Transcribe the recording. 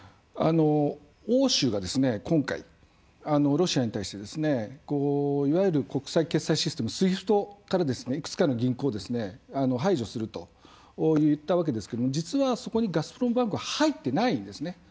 欧州が今回、ロシアに対していわゆる国際決済システム＝ＳＷＩＦＴからいくつかの銀行を排除するといったわけですが実はそこにガスプロムバンクは入っていないんですね。